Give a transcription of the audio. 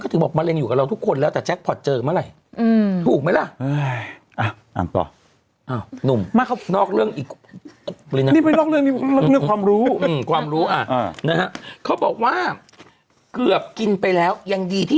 คือหมูทุกวันนี้ทำให้เรารู้ว่าอย่างไรรู้ไหม